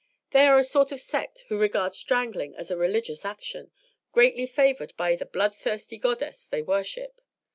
They are a sort of sect who regard strangling as a religious action, greatly favored by the bloodthirsty goddess they worship.